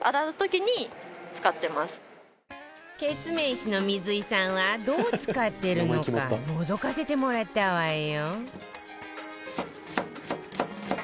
ケツメイシの水井さんはどう使ってるのかのぞかせてもらったわよ